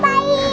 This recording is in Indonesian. makasih om baik